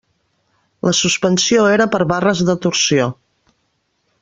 La suspensió era per barres de torsió.